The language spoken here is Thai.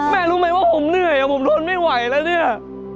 แม่รู้ไหมว่าผมเหนื่อยผมทนไม่ไหวแล้วเนี่ย